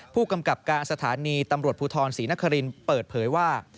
ผู้กำกับการสถานีตำรวจภูทรศรีนครินเปิดเผยว่า